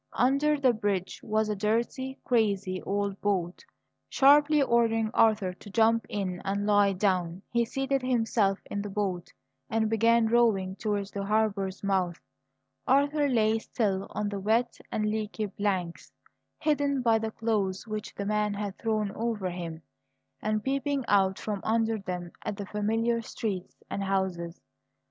Under the bridge was a dirty, crazy old boat. Sharply ordering Arthur to jump in and lie down, he seated himself in the boat and began rowing towards the harbour's mouth. Arthur lay still on the wet and leaky planks, hidden by the clothes which the man had thrown over him, and peeping out from under them at the familiar streets and houses.